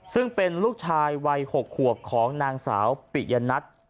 ซึ่งเป็นลูกชายวัย๖ขวบของนางสาวปิยนัท